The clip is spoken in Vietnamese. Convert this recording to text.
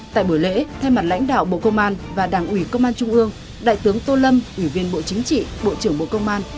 tại buổi lễ thay mặt lãnh đạo bộ công an và đảng ủy công an trung ương đại tướng tô lâm ủy viên bộ chính trị bộ trưởng bộ công an